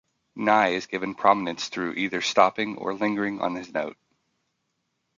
Ni is given prominence through either stopping or lingering on this note.